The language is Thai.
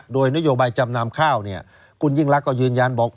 โดยนโยบายจำนำข้าวเนี่ยคุณยิ่งรักก็ยืนยันบอก